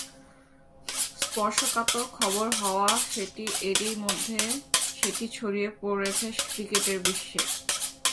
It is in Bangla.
স্পর্শকাতর খবর হওয়া সেটি এরই মধ্যে সেটি ছড়িয়ে পড়েছে সারা ক্রিকেট বিশ্বে।